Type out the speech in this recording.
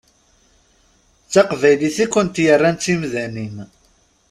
D taqbaylit i kent-yerran d timdanin.